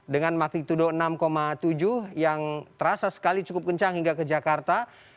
dengan magnitudo enam tujuh yang terasa sekali cukup kencang hingga ke jakarta